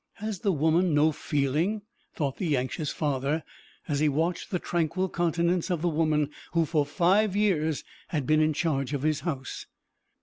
"Has the woman no feeling?" thought the anxious father, as he watched the tranquil countenance of the woman who for five years had been in charge of his house.